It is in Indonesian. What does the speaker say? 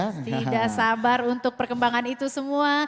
tidak sabar untuk perkembangan itu semua